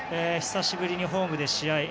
久しぶりにホームで試合。